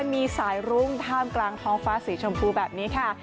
มีสายรุ่งท่ามกลางท้องฟ้าสีชมพูแบบนี้ค่ะ